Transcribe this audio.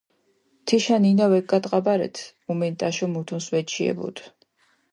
თიშა ნინა ვეკგატყაბარედჷ, უმენტაშო მუთუნს ვეჩიებუდჷ.